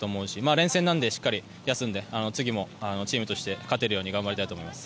連戦なので、しっかり休んでチームとして勝てるように頑張りたいと思います。